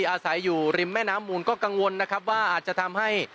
อาศัยอยู่ริมแม่น้ำมูลก็กังวลนะครับว่าอาจจะทำให้